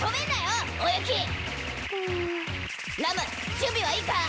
準備はいいか？